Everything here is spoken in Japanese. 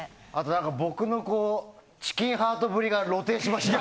僕のチキンハートぶりが露呈しましたね。